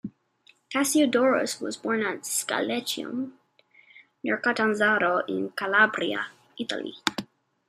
Cassiodorus was born at Scylletium, near Catanzaro in Calabria, Italy.